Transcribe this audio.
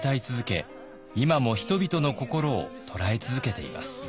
今も人々の心を捉え続けています。